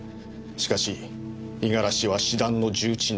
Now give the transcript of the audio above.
しかし五十嵐は詩壇の重鎮です。